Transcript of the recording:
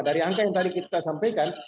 dari angka yang tadi kita sampaikan